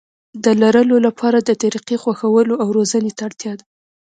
د لرلو لپاره د طريقې خوښولو او روزنې ته اړتيا ده.